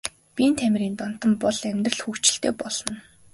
Биеийн тамирын донтон бол бол амьдрал хөгжилтэй болно.